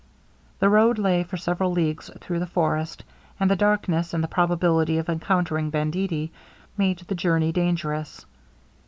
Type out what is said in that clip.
The road lay for several leagues through the forest, and the darkness, and the probability of encountering banditti, made the journey dangerous.